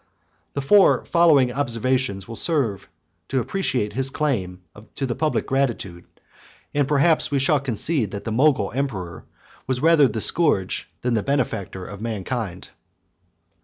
The four following observations will serve to appreciate his claim to the public gratitude; and perhaps we shall conclude, that the Mogul emperor was rather the scourge than the benefactor of mankind.